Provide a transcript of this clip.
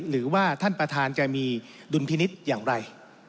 หรือว่าท่านประธานจะมีดุลพินิษฐ์อย่างไร